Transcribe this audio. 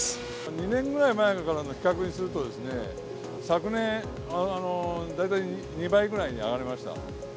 ２年ぐらい前から比較すると、昨年、大体２倍ぐらいに上がりました。